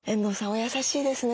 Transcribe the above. お優しいですね。